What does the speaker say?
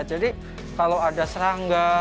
jadi kalau ada serangga